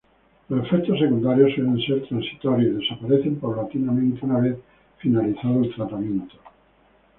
Los efectos secundarios suelen ser transitorios y desaparecen paulatinamente una vez finalizado el tratamiento.